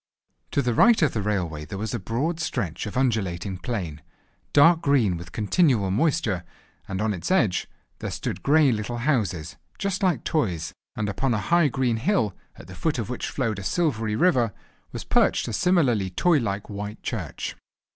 To the right of the railway there was a broad stretch of undulating plain, dark green with the continual moisture, and on its edge there stood grey little houses, just like toys, and upon a high green hill, at the foot of which flowed a silvery river, was perched a similarly toy like white church.